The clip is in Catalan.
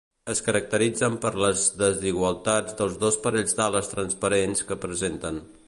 Es caracteritzen per les desigualtats dels dos parells d'ales transparents que presenten.